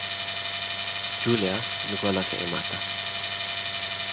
ጁልያ ንጓላ ስዒማታ።